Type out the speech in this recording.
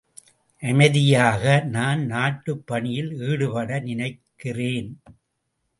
அமைதியாக நான் நாட்டுப் பணியில் ஈடுபட நினைக்கிறேன்.